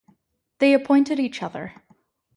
They appointed each other.